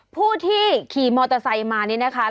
ผู้ที่ขี่มอเตอร์ไซค์มานี่นะคะ